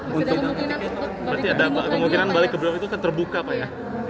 berarti ada kemungkinan balik ke beliau itu kan terbuka pak ya